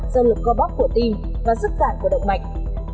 do lực co bóc của tim và sức giản của động mạnh